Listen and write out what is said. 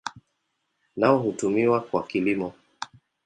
Nao hutumiwa kwa kilimo.